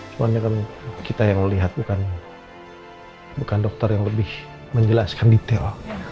cuman kita yang melihat bukan dokter yang lebih menjelaskan detail